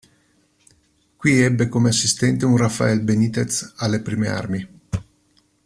Qui ebbe come assistente un Rafael Benítez alle prime armi.